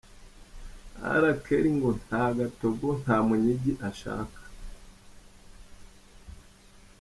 R Kelly ngo nta gatogo nta munyigi ashaka!.